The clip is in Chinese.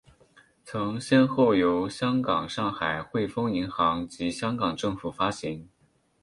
曾先后由香港上海汇丰银行及香港政府发行。